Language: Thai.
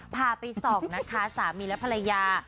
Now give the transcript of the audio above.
พาไปส่องนะคะสามีและภรรยา